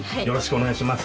お願いします。